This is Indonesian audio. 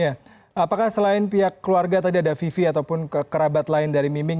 apakah selain pihak keluarga tadi ada vivi ataupun kerabat lain dari miming